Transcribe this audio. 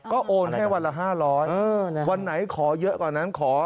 ก็โอนให้วันละ๕๐๐วันไหนขอเยอะกว่านั้นขอ